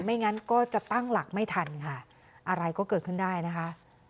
งั้นก็จะตั้งหลักไม่ทันค่ะอะไรก็เกิดขึ้นได้นะคะ